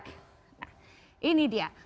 nah ini dia